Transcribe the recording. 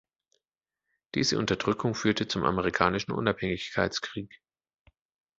Diese Unterdrückung führte zum Amerikanischen Unabhängigkeitskrieg.